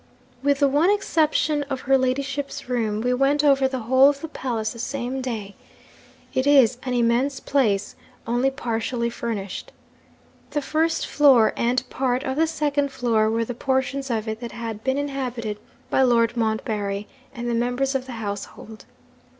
'With the one exception of her ladyship's room, we went over the whole of the palace the same day. It is an immense place only partially furnished. The first floor and part of the second floor were the portions of it that had been inhabited by Lord Montbarry and the members of the household.